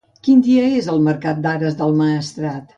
Quin dia és el mercat d'Ares del Maestrat?